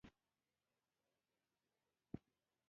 ماما زوی د خزان سیلیو ورژاوه.